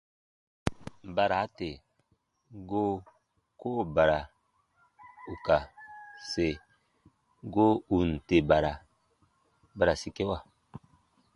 Bara tè goo koo bara ù ka se, goo ù n tè bara, ba ra sikewa.